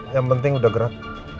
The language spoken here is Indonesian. yang penting udah gerak